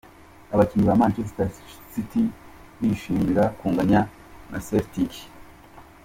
Abakinnyi ba Manchester City bishimira kunganya na Celtic.